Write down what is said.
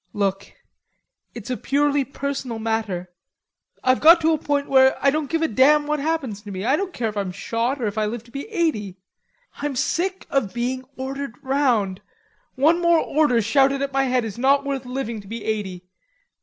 "Look.. It's a purely personal matter. I've got to a point where I don't give a damn what happens to me. I don't care if I'm shot, or if I live to be eighty...I'm sick of being ordered round. One more order shouted at my head is not worth living to be eighty...